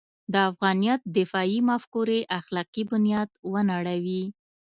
د افغانیت دفاعي مفکورې اخلاقي بنیاد ونړوي.